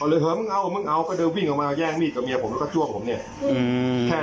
เหอะมึงเอามึงเอาก็เดินวิ่งออกมาแย่งมีดกับเมียผมแล้วก็จ้วงผมเนี่ยอืมแค่